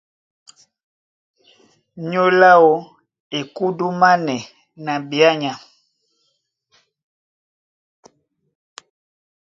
Nyólo áō e kúdúmánɛ́ na ɓeánya.